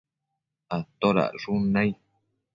atodacshun nai?